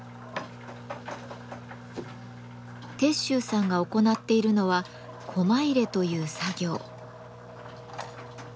鉄舟さんが行っているのはコマ入れという作業。